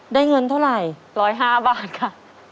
ได้เงินเท่าไหร่๑๐๕บาทค่ะ